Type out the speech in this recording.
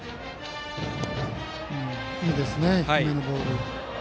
いいですね、低めのボール。